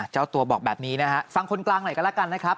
เจ้าตัวบอกแบบนี้นะฮะฟังคนกลางหน่อยกันแล้วกันนะครับ